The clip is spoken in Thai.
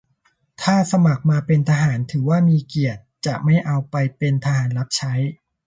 - ถ้าสมัครมาเป็นทหาร ถือว่ามีเกียรติ จะไม่เอาไปเป็นทหารรับใช้